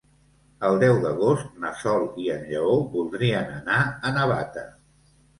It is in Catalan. El deu d'agost na Sol i en Lleó voldrien anar a Navata.